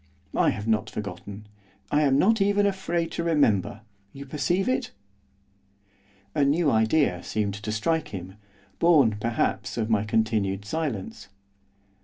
I have not forgotten. I am not even afraid to remember, you perceive it?' A new idea seemed to strike him, born, perhaps, of my continued silence.